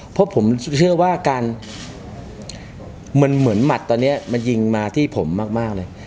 เพราะผมเชื่อว่าการมันเหมือนหมัดตอนนี้มันยิงมาที่ผมมากเลย